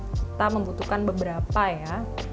kita membutuhkan beberapa ya